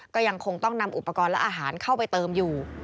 ก็ยังคงต้องนำอุปกรณ์และอาหารเข้าไปเติมอยู่